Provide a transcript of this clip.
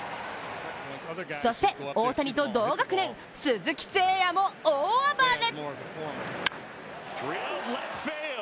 そして、大谷と同学年鈴木誠也も大暴れ！